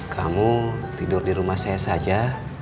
kamu tidur di rumah saya saja